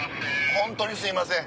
ホントにすいません。